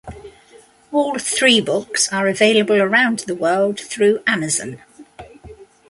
All three books are available around the world through Amazon.